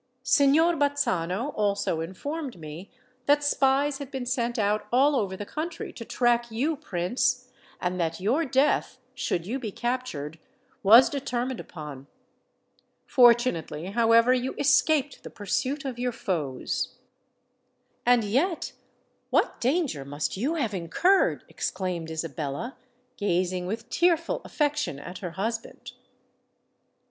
Signor Bazzano also informed me that spies had been sent out all over the country to track you, Prince; and that your death, should you be captured, was determined upon. Fortunately, however, you escaped the pursuit of your foes!" "And yet what danger must you have incurred!" exclaimed Isabella, gazing with tearful affection at her husband.